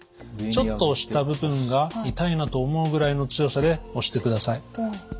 ちょっと押した部分が痛いなと思うぐらいの強さで押してください。